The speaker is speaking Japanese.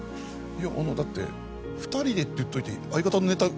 いやあんなだって「２人で」って言っといて相方のネタ奪ったんですよ